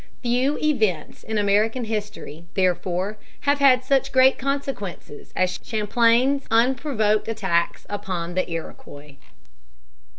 Few events, in American history, therefore, have had such great consequences as Champlain's unprovoked attacks upon the Iroquois.